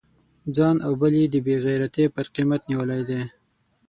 ځان او بل یې د بې غیرتی پر قیمت نیولی دی.